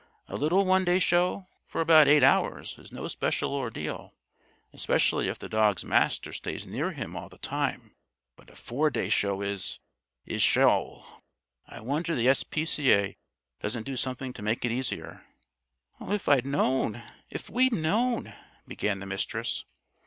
A little one day show, for about eight hours, is no special ordeal, especially if the dog's Master stays near him all the time; but a four day show is is Sheol! I wonder the S. P. C. A. doesn't do something to make it easier." "If I'd known if we'd known " began the Mistress.